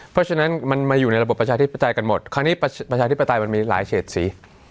เพราะฉะนั้นมันมาอยู่ในระบบประชาธิปไตยกันหมดคราวนี้ประชาธิปไตยมันมีหลายเฉดสี